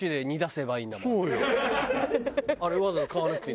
あれわざわざ買わなくていい。